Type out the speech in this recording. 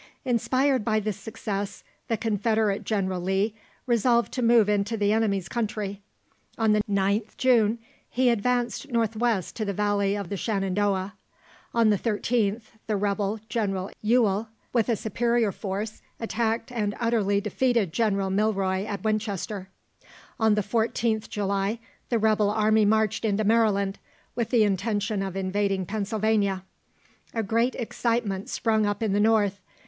Inspired by this success, the Confederate General Lee resolved to move into the enemy's country. On the 9th June, he advanced north west to the valley of the Shenandoah. On the 13th, the rebel General Ewell, with a superior force, attacked and utterly defeated General Milroy at Winchester. On the 14th July, the rebel army marched into Maryland, with the intention of invading Pennsylvania. A great excitement sprung up in the North.